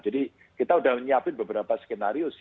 jadi kita udah menyiapin beberapa skenario